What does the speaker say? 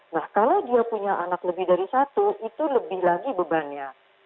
nah kalau dia punya anak lebih dari satu itu lebih lagi bebannya